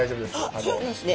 あっそうなんですね。